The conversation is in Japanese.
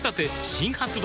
新発売